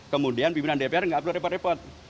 kemudian pimpinan dpr tidak perlu